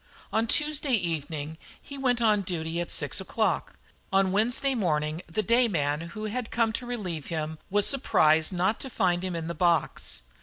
On Tuesday evening he went on duty at six o'clock; on Wednesday morning the day man who had come to relieve him was surprised not to find him in the box.